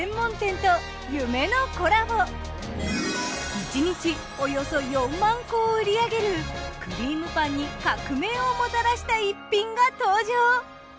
１日およそ４万個を売り上げるくりーむパンに革命をもたらした一品が登場。